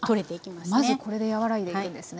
まずこれで和らいでいくんですね。